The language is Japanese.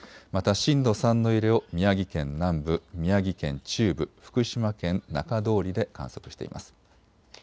また震度３の揺れを宮城県南部、宮城県中部、福島県中通りで観測しています。